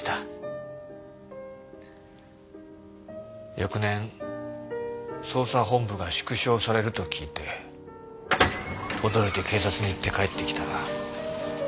翌年捜査本部が縮小されると聞いて驚いて警察に行って帰ってきたら。